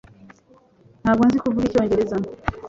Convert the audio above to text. Ntabwo nzi kuvuga icyongereza.